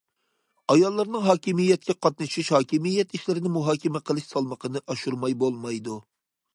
ئاياللارنىڭ ھاكىمىيەتكە قاتنىشىش، ھاكىمىيەت ئىشلىرىنى مۇھاكىمە قىلىش سالمىقىنى ئاشۇرماي بولمايدۇ.